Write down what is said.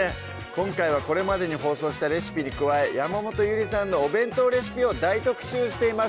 今回はこれまでに放送したレシピに加え山本ゆりさんのお弁当レシピを大特集しています